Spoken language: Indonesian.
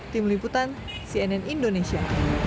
tim liputan cnn indonesia